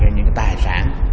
những cái tài sản